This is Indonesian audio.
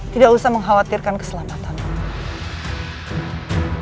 tidak usah mengkhawatirkan keselamatanmu